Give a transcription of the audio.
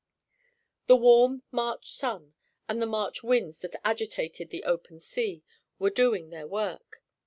The warm March sun, and the March winds that agitated the open sea, were doing their work.